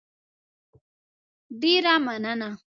ډېره مننه